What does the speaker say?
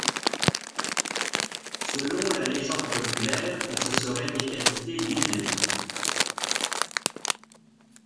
Selon la légende populaire, il se serait décapité lui-même.